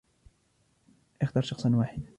اختر شخصاً واحداً.